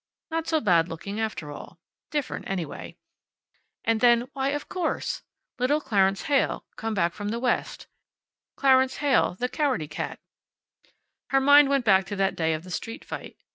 Not so bad looking, after all. Different, anyway. And then why, of course! Little Clarence Heyl, come back from the West. Clarence Heyl, the cowardy cat. Her mind went back to that day of the street fight.